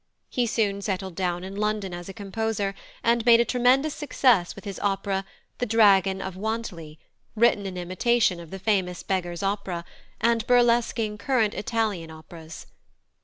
He soon settled down in London as a composer, and made a tremendous success with his opera The Dragon of Wantly, written in imitation of the famous Beggar's Opera, and burlesquing current Italian operas.